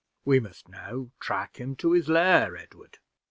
"We must now track him to his lair, Edward."